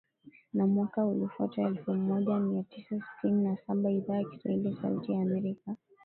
Na mwaka uliofuata elfu moja mia tisa sitini na saba Idhaa ya Kiswahili ya Sauti ya Amerika